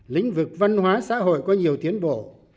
lĩnh vực văn hóa xã hội có nhiều tiến bộ